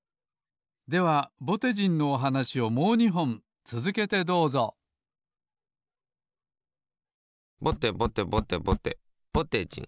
ではぼてじんのおはなしをもう２ほんつづけてどうぞぼてぼてぼてぼてぼてじん。